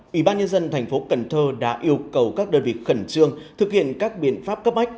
ủy ban nhân dân thành phố cần thơ đã yêu cầu các đơn vị khẩn trương thực hiện các biện pháp cấp bách